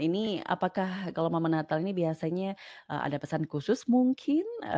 ini apakah kalau momen natal ini biasanya ada pesan khusus mungkin